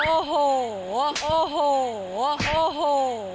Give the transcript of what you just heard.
โอ้โหโอ้โหโอ้โห